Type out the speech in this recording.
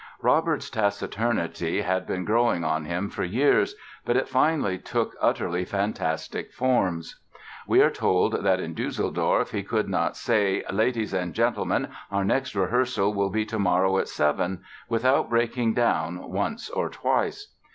Robert's taciturnity had been growing on him for years but it finally took utterly fantastic forms. We are told that in Düsseldorf he could not say: "Ladies and gentlemen, our next rehearsal will be tomorrow at seven", without breaking down once or twice.